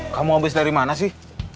kamu habis dari mana sih